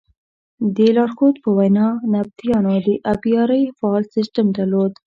د لارښود په وینا نبطیانو د ابیارۍ فعال سیسټم درلود.